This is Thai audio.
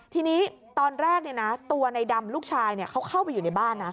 ทีนี้ตอนแรกตัวในดำลูกชายเขาเข้าไปอยู่ในบ้านนะ